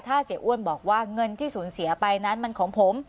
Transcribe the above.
ถ้าเสียอ้วนบอกว่าเงินที่สูญเสียไปนั้นมันของผม